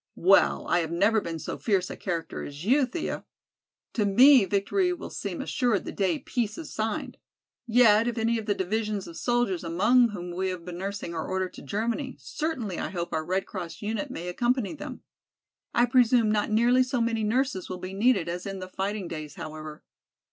"Well, I have never been so fierce a character as you, Thea! To me victory will seem assured the day peace is signed. Yet if any of the divisions of soldiers among whom we have been nursing are ordered to Germany, certainly I hope our Red Cross unit may accompany them. I presume not nearly so many nurses will be needed as in the fighting days, however."